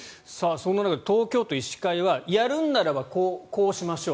そんな中で東京都医師会はやるのであればこうしましょう。